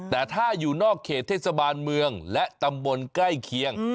แต่ถ้าอยู่นอกเขตเทศบาลเมืองและตำบลใกล้เคียง